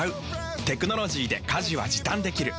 テクノロジーで家事は時短できる。